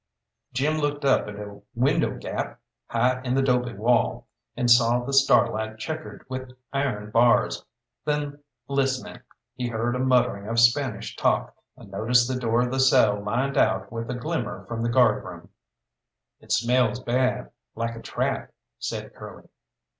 Jim looked up at a window gap, high in the 'dobe wall, and saw the starlight checkered with iron bars; then listening, he heard a muttering of Spanish talk, and noticed the door of the cell lined out with a glimmer from the guardroom. "It smells bad, like a trap," said Curly.